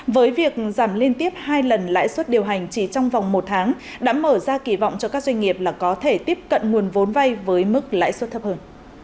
với việc giảm liên tiếp hai lần lãi suất điều hành chỉ trong vòng một tháng đã mở ra kỳ vọng cho các doanh nghiệp là có thể tiếp cận nguồn vốn vay với mức lãi suất thấp hơn